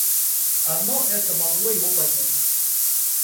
Одно это могло его поднять.